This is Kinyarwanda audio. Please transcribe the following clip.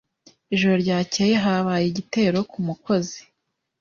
Ijoro ryakeye habaye igitero ku mukozi.